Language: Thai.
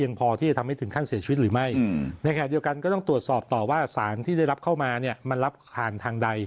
ในแข่งเดียวกันก็ต้องตรวจสอบต่อว่าสารที่ได้รับเข้ามามันรับผ่านทางใด